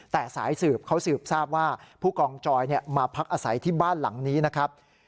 แต่สายสืบเขาสืบทราบว่าผู้กองจอยมาพักอาศัยที่บ้านหลังนี้นะครับ